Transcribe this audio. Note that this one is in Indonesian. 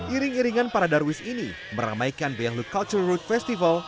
iring iringan para darwish ini meramaikan beonglu cultural road festival